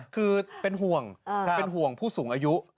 คือเป็นห่วงเป็นห่วงผู้สูงอายุ